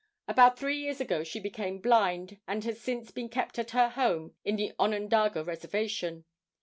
About three years ago she became blind, and has since been kept at her home on the Onondaga reservation.